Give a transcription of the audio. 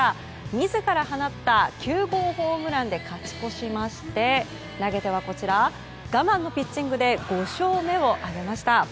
自ら放った９号ホームランで勝ち越しまして投げては、こちら我慢のピッチングで５勝目を挙げました。